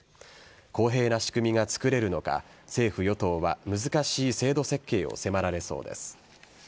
公平な仕組みがつくれるのか政府与党は難しい制度設計を迫られそうです。